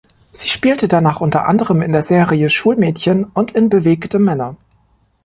Sie spielte danach unter anderem in der Serie Schulmädchen und in Bewegte Männer.